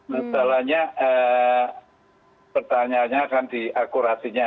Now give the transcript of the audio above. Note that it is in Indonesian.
masalahnya pertanyaannya akan di akurasinya